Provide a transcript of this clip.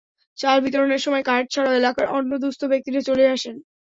চাল বিতরণের সময় কার্ড ছাড়াও এলাকার অন্য দুস্থ ব্যক্তিরা চলে আসেন।